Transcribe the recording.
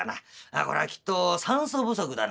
これはきっと酸素不足だな」。